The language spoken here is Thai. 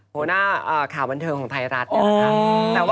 หัวหน้าข่าวบันเทิงของไทยรัฐเนี่ยนะคะ